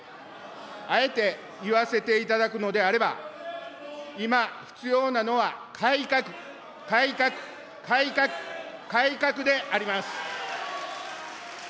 あえて言わせていただくのであれば、今、必要なのは改革、改革、改革、改革であります。